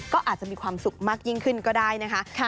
เป็นธรรมเร็วมากยิ่งขึ้นก็ได้นะคะ